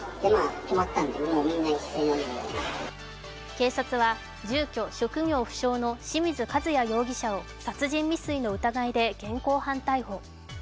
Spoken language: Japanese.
警察は住居・職業不詳の清水和也容疑者を殺人未遂の疑いで現行犯逮捕。